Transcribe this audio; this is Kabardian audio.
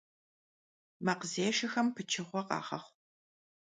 Makhzêşşexem pıçığue khağexhu.